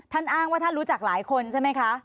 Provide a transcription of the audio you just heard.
อ้างว่าท่านรู้จักหลายคนใช่ไหมคะ